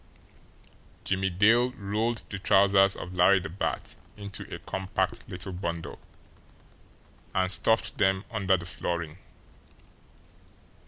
Jimmie Dale rolled the trousers of Larry the Bat into a compact little bundle, and stuffed them under the flooring.